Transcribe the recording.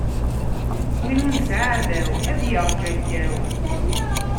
Win ur nesɛi aɛdaw, ad yeṛǧu aggaw!